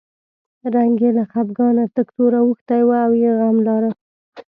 رنګ یې له خپګانه تک تور اوښتی و او یې غم لاره.